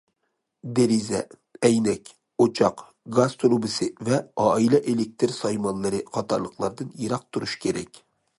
دېرىزە، ئەينەك، ئوچاق، گاز تۇرۇبىسى ۋە ئائىلە ئېلېكتىر سايمانلىرى قاتارلىقلاردىن يىراق تۇرۇش كېرەك.